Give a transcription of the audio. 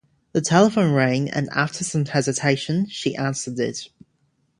The telephone rang and after some hesitation she answered it.